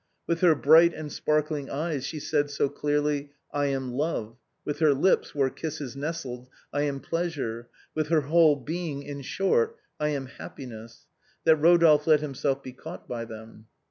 With her bright and sparkling eyes she said so clearly, " Î am love ;" with her lips, where kisses nestled, " I am pleas ure;" with her whole being, in short, "I am happiness," that Eodolphe let himself be caught by them.